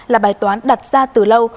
là bài toán đặt ra từ lâu